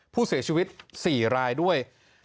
ผู้เสียชีวิต๔รายด้วย